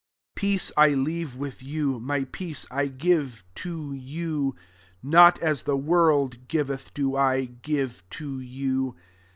27 Peace I leave with you, my peace I give to you ; not as the world giveth, do I give to you.